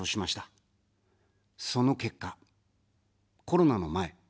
その結果、コロナの前。